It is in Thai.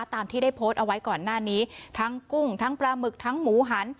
ตามที่ได้โพสต์เอาไว้ก่อนหน้านี้ทั้งกุ้งทั้งปลาหมึกทั้งหมูหัน